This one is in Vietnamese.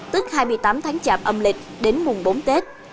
tức hai mươi tám tháng chạp âm lịch đến mùng bốn tết